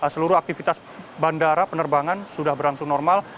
seluruh aktivitas bandara penerbangan sudah berlangsung normal